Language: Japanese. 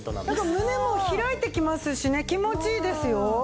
なんか胸も開いてきますしね気持ちいいですよ。